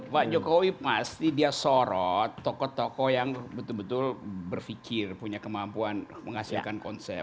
pak jokowi pasti dia sorot tokoh tokoh yang betul betul berpikir punya kemampuan menghasilkan konsep